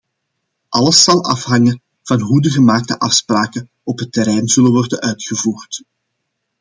Alles zal afhangen van hoe de gemaakte afspraken op het terrein zullen worden uitgevoerd.